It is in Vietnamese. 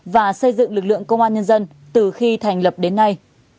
và xây dựng lực lượng công an nhân dân từ khi thành lập đến nay